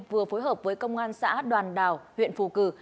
vừa phối hợp với công an xã đoàn đào huyện phù cử